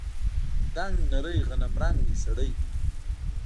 دنګ نرى غنمرنگى سړى و.